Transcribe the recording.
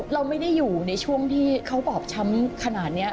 เราไม่ได้อยู่ในช่วงที่เขาบอบช้ำขนาดนี้